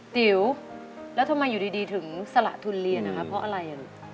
ติ๋วแล้วทำไมอยู่ดีถึงสละทุนเรียนนะคะเพราะอะไรลูก